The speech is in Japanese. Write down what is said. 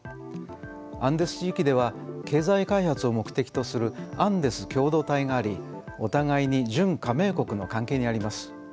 アンデス地域では経済開発を目的とするアンデス共同体がありお互いに準加盟国の関係にあります。